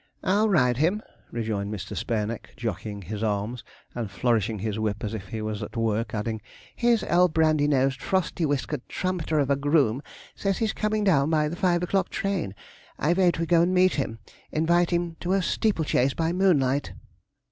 'I'll ride him!' rejoined Mr. Spareneck, jockeying his arms, and flourishing his whip as if he was at work, adding: 'his old brandy nosed, frosty whiskered trumpeter of a groom says he's coming down by the five o'clock train. I vote we go and meet him invite him to a steeple chase by moonlight.'